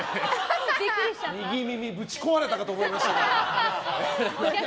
右耳ぶち壊れたかと思いました。